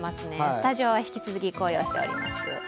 スタジオは引き続き紅葉しております。